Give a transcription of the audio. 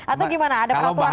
atau gimana ada peratuannya juga